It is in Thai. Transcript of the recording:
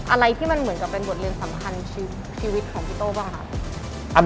อะไรที่มันเหมือนกับเป็นบทเรียนสำคัญชีวิตของพี่โต้บ้างคะ